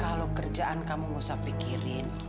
kalau kerjaan kamu gak usah pikirin